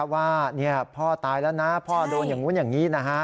ว่าพ่อตายแล้วนะพ่อโดนอย่างนู้นอย่างนี้นะฮะ